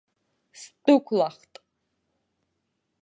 Сдәықәлахт.